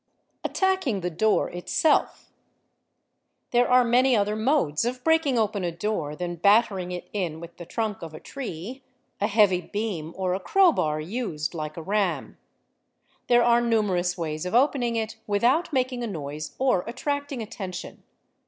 (a) Attacking the door itself. There are many other modes of breaking open a door than battering it in with the trunk of a tree, a heavy beam, or a crow bar used like a ram. There are numerous ways of opening it without making a noise or attracting attention.